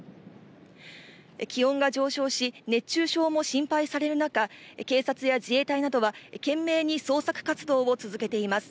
気温が上昇し、熱中症も心配される中、警察や自衛隊などは懸命に捜索活動を続けています。